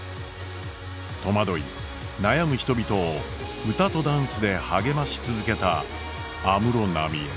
戸惑い悩む人々を歌とダンスで励まし続けた安室奈美恵。